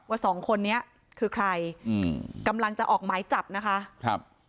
สองคนนี้คือใครอืมกำลังจะออกหมายจับนะคะครับ